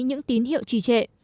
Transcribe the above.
những tín hiệu trì trệ